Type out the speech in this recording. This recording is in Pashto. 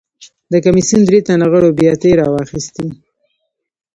د کمېسیون درې تنو غړو بیاتۍ راواخیستې.